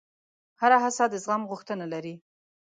هره هڅه د زغم غوښتنه لري.